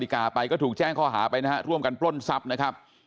ข้อหาไปร่วมกันปล้นทรัพย์นะครับ